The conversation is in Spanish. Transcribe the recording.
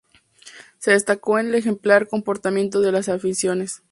Se destacó el ejemplar comportamiento de las aficiones.